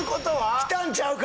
きたんちゃうか？